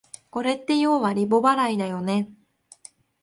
これってようはリボ払いだよね